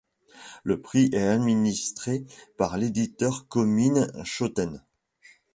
Le prix est administré par l'éditeur Komine Shoten.